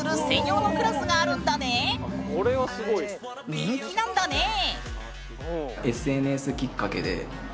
人気なんだねえ！